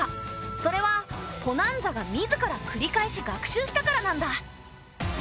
それはポナンザが自らくり返し学習したからなんだ。